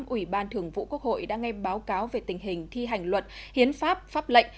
ủy ban thường vụ quốc hội đã nghe báo cáo về tình hình thi hành luật hiến pháp pháp lệnh